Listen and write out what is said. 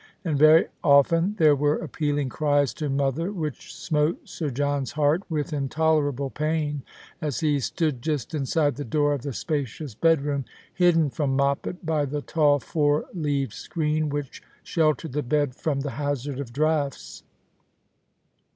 And very often there were appealing cries to mother, which smote Sir John's heart with in tolerable pain, as he stood just inside the door of the spacious bedroom, hidden from Moppet by the tall four leaved screen which sheltered the bed from the hazard of draughts.